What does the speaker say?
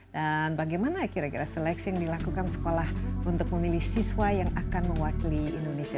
dan bagaimana kira kira seleksi yang dilakukan sekolah untuk memilih siswa yang akan mewakili indonesia